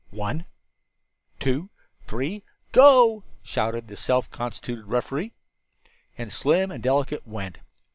"One, two, three Go!" shouted the self constituted referee. And Slim and Delicate went!